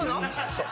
そう。